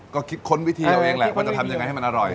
ก็คิดค้นวิธีเอาเองแหละว่าจะทำยังไงให้มันอร่อย